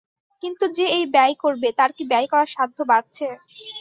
কিন্তু যে এই ব্যয় করবে তার কি ব্যয় করার সাধ্য বাড়ছে?